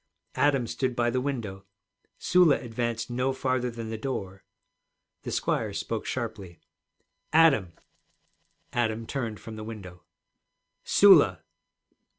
Adam stood by the window; Sula advanced no farther than the door. The squire spoke sharply. 'Adam!' Adam turned from the window. 'Sula!'